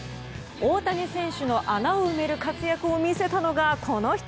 大谷選手の穴を埋める活躍を見せたのが、この人！